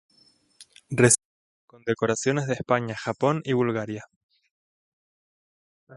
Recibió condecoraciones de España, Japón y Bulgaria.